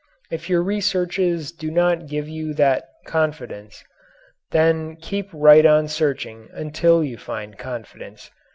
If your researches do not give you that confidence, then keep right on searching until you find confidence.